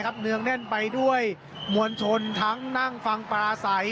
ที่มันทรงเนื้องแน่นไปด้วยมวลชนทั้งนั่งฝั่งปราศัย